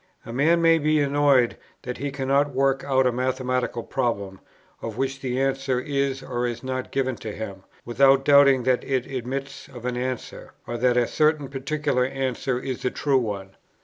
A man may be annoyed that he cannot work out a mathematical problem, of which the answer is or is not given to him, without doubting that it admits of an answer, or that a certain particular answer is the true one.